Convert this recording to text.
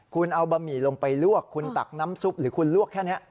คุณเอาบะหมี่ลงไปลวกคุณตักน้ำซุปหรือคุณลวกแค่นี้